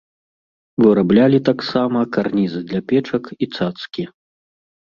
Выраблялі таксама карнізы для печак і цацкі.